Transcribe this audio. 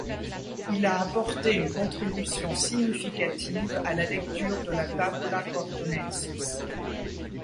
Il a apporté une contribution significative à la lecture de la Tabula Cortonensis.